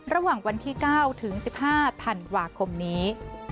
ระหว่างวันที่๙ถึง๑๕ธันวาคมนี้